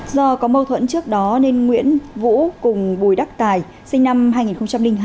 do có mâu thuẫn trước đó nên nguyễn vũ cùng bùi đắc tài sinh năm hai nghìn hai